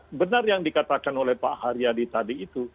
sebenarnya benar yang dikatakan oleh pak haryadi tadi itu